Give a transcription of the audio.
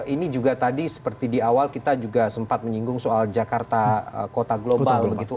ini juga tadi seperti di awal kita juga sempat menyinggung soal jakarta kota global begitu